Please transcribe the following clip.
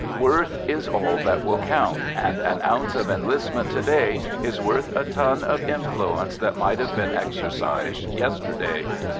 Worth is all that will count, and an ounce of enlistment to day is worth a ton of influence that might have been exercised yesterday.